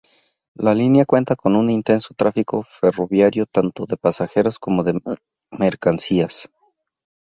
La línea cuenta con un intenso tráfico ferroviario tanto de pasajeros como de mercancías.